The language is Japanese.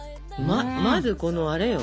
まずこのあれよ。